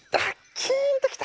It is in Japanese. キーンときた！